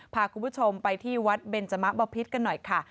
พาคุณผู้ชมไปที่วัดเบนจมะบพิษกันหน่อยค่ะ